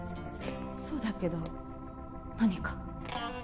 そうだけど何か？